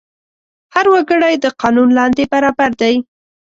هر وګړی د قانون لاندې برابر دی.